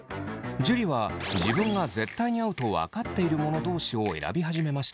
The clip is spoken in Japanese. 樹は自分が絶対に合うと分かっているもの同士を選び始めました。